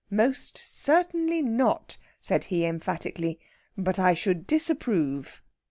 'Most certainly not,' said he emphatically. 'But I should disapprove.'